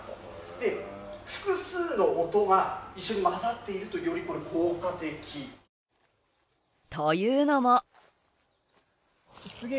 で、複数の音が一緒に混ざっているとより、これ効果的。というのも。